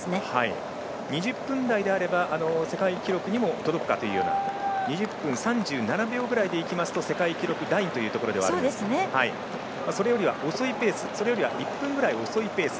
２０分台であれば世界記録にも届くかというような２０分３７秒ぐらいでいきますと世界記録ラインというところでそれよりは１分ぐらい遅いペース